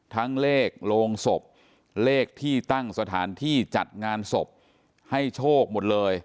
ทั้งเลขโรงศพเลขที่ตั้งสถานที่จัดงานศพให้โชคหมดเลย